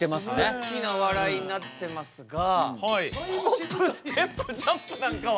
大きな笑いになってますが「ホップステップジャンプ」なんかは。